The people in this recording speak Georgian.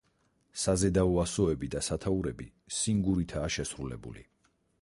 საზედაო ასოები და სათაურები სინგურითაა შესრულებული.